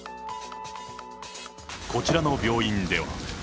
こちらの病院では。